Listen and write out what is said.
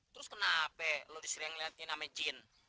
terus kenapa lo disering ngeliatin nama jin